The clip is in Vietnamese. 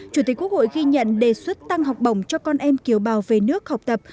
chủ tịch quốc hội ghi nhận đề xuất tăng học bổng cho con em kiều bào về nước học tập